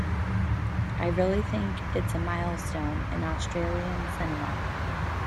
I really think it's a milestone in Australian cinema.